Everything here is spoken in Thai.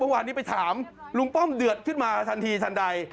เมื่อวานนี้ไปถามลุงป้อมเดือดขึ้นมาทันทีทันใด